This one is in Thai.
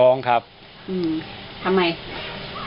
ร้องครับทำไม